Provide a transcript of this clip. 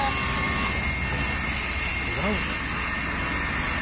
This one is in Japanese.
えっちがうの？